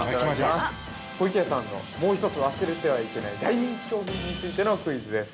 湖池屋さんのもうひとつ忘れてはいけない大人気商品についてのクイズです。